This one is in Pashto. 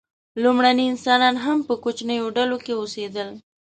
لومړني انسانان هم په کوچنیو ډلو کې اوسېدل.